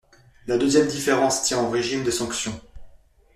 La deuxième différence tient au régime des sanctions.